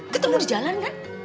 ketemu di jalan kan